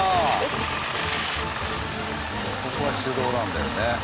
ここは手動なんだよね。